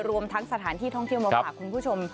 รวมทั้งสถานที่ท่องเที่ยวมาฝากคุณผู้ชม